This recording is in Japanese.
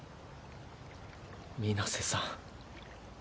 水瀬さん。